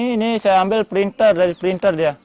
ini saya ambil printer dari printer dia